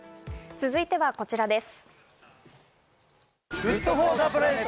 続いてはこちらです。